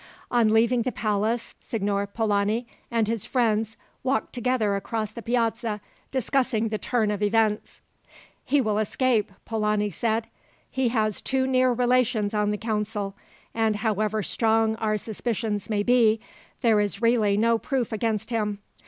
On leaving the palace, Signor Polani and his friends walked together across the Piazza, discussing the turn of events. "He will escape," Polani said. "He has two near relations on the council, and however strong our suspicions may be, there is really no proof against him.